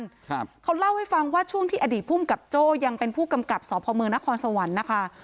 ครับเขาเล่าให้ฟังว่าช่วงที่อดีตภูมิกับโจ้ยังเป็นผู้กำกับสพมนครสวรรค์นะคะ